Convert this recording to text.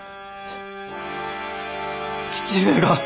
父上が！